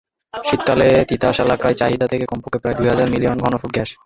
শীতকালে তিতাস এলাকায় চাহিদা থাকে কমপক্ষে প্রায় দুই হাজার মিলিয়ন ঘনফুট গ্যাস।